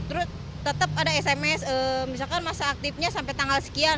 terus tetap ada sms misalkan masa aktifnya sampai tanggal sekian